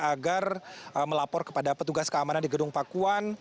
agar melapor kepada petugas keamanan di gedung pakuan